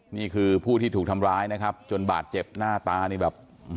นี่คือผู้ที่ถูกทำร้ายนะครับจนบาดเจ็บหน้าตานี่แบบ